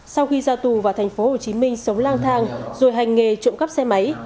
sau khi ra tù vào thành phố hồ chí minh sống lang thang rồi hành nghề trộm cắp xe máy